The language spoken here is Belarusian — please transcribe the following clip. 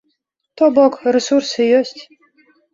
То бок, рэсурсы ёсць.